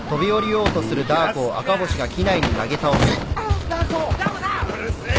うるせえ！